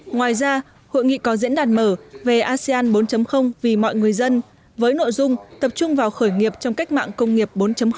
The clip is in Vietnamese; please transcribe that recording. ngoài ra hội nghị có diễn đàn mở về asean bốn vì mọi người dân với nội dung tập trung vào khởi nghiệp trong cách mạng công nghiệp bốn